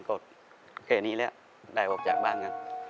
ก็แค่นี้แล้วได้ออกจากบ้านกัน